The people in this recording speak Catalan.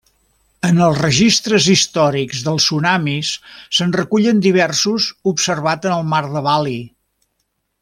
En els registres històrics dels tsunamis se'n recullen diversos observat en el mar de Bali.